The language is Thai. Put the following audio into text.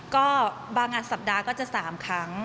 ก็บางงานสัปดาห์ก็จะ๓ครั้ง